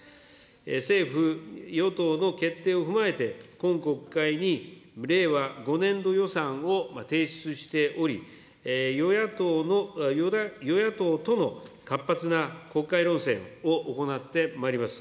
政府・与党の決定を踏まえて、今国会に令和５年度予算を提出しており、与野党との活発な国会論戦を行ってまいります。